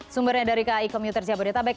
sumbernya dari kai komuter jabodetabek